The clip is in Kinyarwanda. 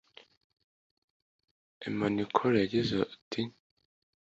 Emanikor yagize ati